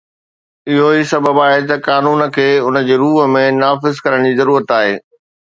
اهو ئي سبب آهي ته قانون کي ان جي روح ۾ نافذ ڪرڻ جي ضرورت آهي